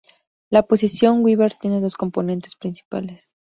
La posición Weaver tienen dos componentes principales.